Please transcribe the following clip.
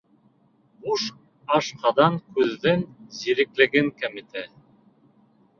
— Буш ашҡаҙан күҙҙең зирәклеген кәметә.